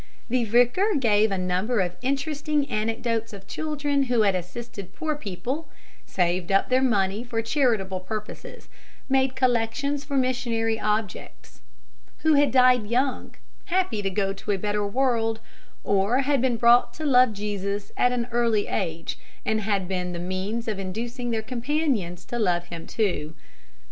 The vicar gave a number of interesting anecdotes of children who had assisted poor people, saved up their money for charitable purposes, made collections for missionary objects; who had died young, happy to go to a better world, or had been brought to love Jesus at an early age, and had been the means of inducing their companions to love him too.